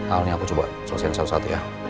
awalnya aku coba selesaikan satu satu ya